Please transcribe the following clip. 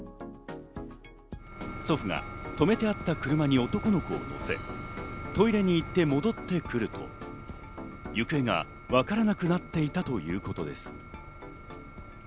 祖父が止めてあった車に男の子を乗せ、トイレに行って戻ってくると、行方がわからなくなっていたということです。